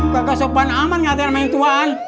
gak kesopan aman ngatain sama yang tuaan